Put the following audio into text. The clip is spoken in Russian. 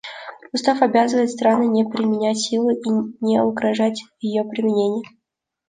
Устав обязывает страны не применять силу и не угрожать ее применением.